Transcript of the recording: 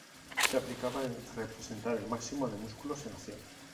Se aplicaba en representar el máximo de músculos en acción.